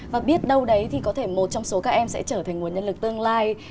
và biết đâu đấy thì có thể một trong số các em sẽ trở thành nguồn nhân lực tương lai